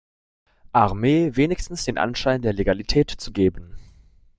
Armee wenigstens den Anschein der Legalität zu geben.